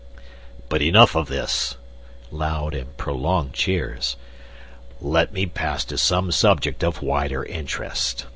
"But enough of this!" (Loud and prolonged cheers.) "Let me pass to some subject of wider interest.